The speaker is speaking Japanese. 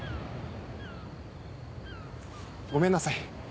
ごめんなさい。